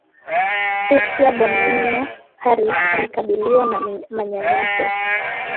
Facia Boyenoh Harris alikabiliwa na manyanyaso